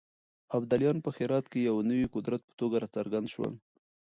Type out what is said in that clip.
ابدالیان په هرات کې د يو نوي قدرت په توګه راڅرګند شول.